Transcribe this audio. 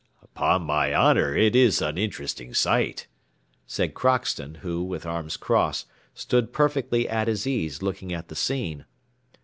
"Upon my honour, it is an interesting sight," said Crockston, who, with arms crossed, stood perfectly at his ease looking at the scene.